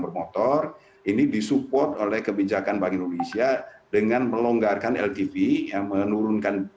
bermotor ini disupport oleh kebijakan bank indonesia dengan melonggarkan ltv yang menurunkan